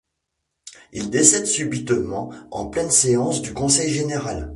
Il décède subitement, en pleine séance du conseil général.